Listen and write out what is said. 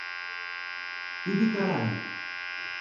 Ibicaraí